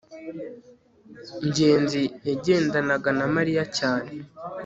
ngenzi yagendanaga na mariya cyane